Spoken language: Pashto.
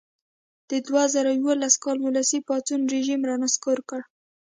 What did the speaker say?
د دوه زره یوولس کال ولسي پاڅون رژیم را نسکور کړ.